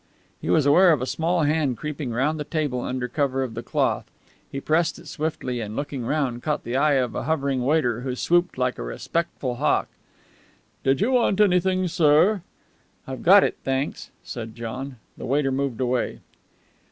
He was aware of a small hand creeping round the table under cover of the cloth. He pressed it swiftly, and, looking round, caught the eye of a hovering waiter, who swooped like a respectful hawk. "Did you want anything, sir?" "I've got it, thanks," said John. The waiter moved away.